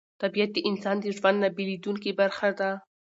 طبیعت د انسان د ژوند نه بېلېدونکې برخه ده